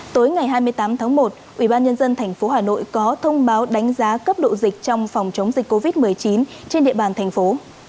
tối ngày hai mươi tám tháng một ubnd tp hà nội có thông báo đánh giá cấp độ dịch trong phòng chống dịch covid một mươi chín trên địa bàn thành phố